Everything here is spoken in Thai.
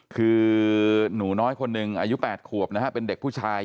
คือหนูน้อยคนหนึ่งอายุ๘ขวบนะฮะเป็นเด็กผู้ชาย